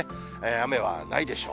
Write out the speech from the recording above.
雨はないでしょう。